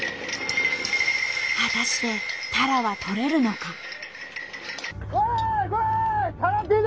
果たしてタラはとれるのか。